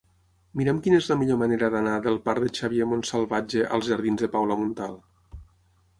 Mira'm quina és la millor manera d'anar del parc de Xavier Montsalvatge als jardins de Paula Montal.